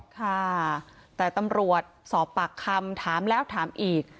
ค่ะแต่ตำรวจสอบปากคำถามแล้วถามอีก